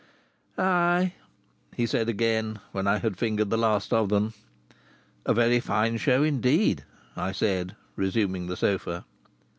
"Ay!" he said again, when I had fingered the last of them. "A very fine show indeed!" I said, resuming the sofa.